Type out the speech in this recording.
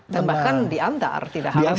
dan bahkan diantar tidak harus